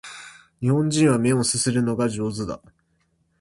日本人は麺を啜るのが上手だ